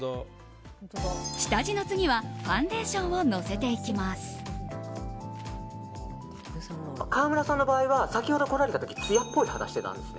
下地の次はファンデーションを川村さんの場合は先ほど来られた時つやっぽい肌をしてたんです。